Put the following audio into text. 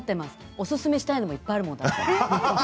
おすすめしたいのもいっぱいあるもん。